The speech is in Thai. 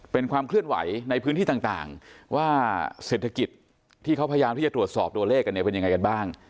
เป็นความเคลื่อนไหวในพื้นที่ต่างว่าเศรษฐกิจที่เขาพยายามที่จะตรวจสอบตัวเลขกันเนี่ยเป็นยังไงกันบ้าง